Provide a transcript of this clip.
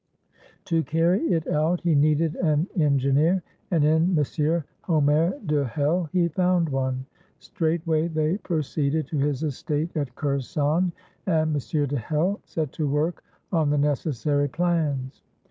To carry it out he needed an engineer, and in M. Hommaire de Hell he found one. Straightway they proceeded to his estate at Kherson, and M. de Hell set to work on the necessary plans.